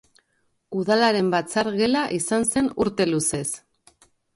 Udalaren batzar gela izan zen urte luzez.